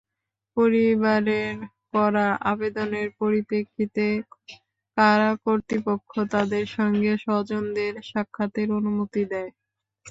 পরিবারের করা আবেদনের পরিপ্রেক্ষিতে কারা কর্তৃপক্ষ তাঁদের সঙ্গে স্বজনদের সাক্ষাতের অনুমতি দেয়।